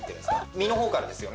実の方からですよね？